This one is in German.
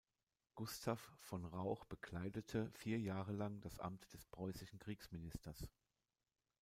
Gustav von Rauch bekleidete vier Jahre lang das Amt des preußischen Kriegsministers.